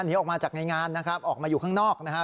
หนีออกมาจากในงานนะครับออกมาอยู่ข้างนอกนะฮะ